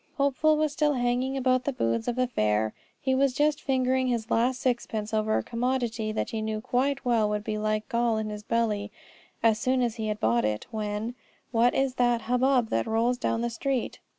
Hopeful was still hanging about the booths of the fair; he was just fingering his last sixpence over a commodity that he knew quite well would be like gall in his belly as soon as he had bought it; when, what is that hubbub that rolls down the street?